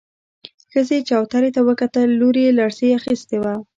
ښځې چوترې ته وکتل، لور يې لړزې اخيستې وه.